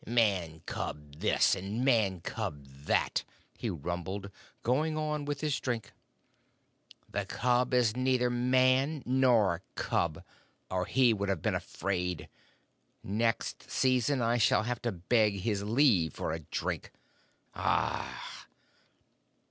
"Man cub this, and Man cub that," he rumbled, going on with his drink, "the cub is neither man nor cub, or he would have been afraid. Next season I shall have to beg his leave for a drink. _Aurgh!